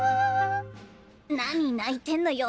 何泣いてんのよ。